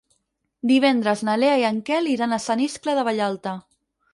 Divendres na Lea i en Quel iran a Sant Iscle de Vallalta.